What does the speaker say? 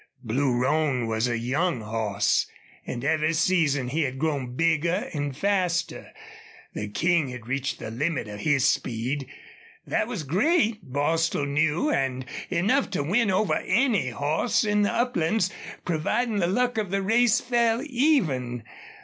Blue Roan was a young horse, and every season he had grown bigger and faster. The King had reached the limit of his speed. That was great, Bostil knew, and enough to win over any horse in the uplands, providing the luck of the race fell even.